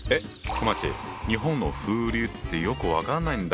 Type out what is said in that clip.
こまっち日本の風流ってよく分かんないんだよ。